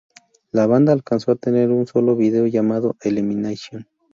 La banda alcanzó a tener un solo video llamado Elimination.